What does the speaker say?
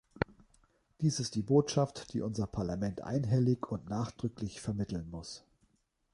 Dies ist die Botschaft, die unser Parlament einhellig und nachdrücklich vermitteln muss.